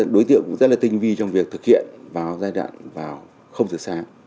đối tiện cũng rất là tinh vi trong việc thực hiện vào giai đoạn không thực sáng